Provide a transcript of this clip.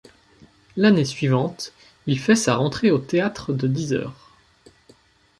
L'année suivante, il fait sa rentrée au Théâtre de Dix Heures.